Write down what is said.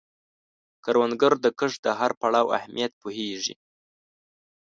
کروندګر د کښت د هر پړاو اهمیت پوهیږي